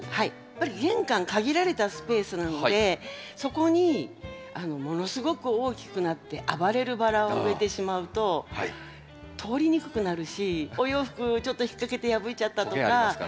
やっぱり玄関限られたスペースなのでそこにものすごく大きくなって暴れるバラを植えてしまうと通りにくくなるしお洋服ちょっと引っ掛けて破いちゃったとか。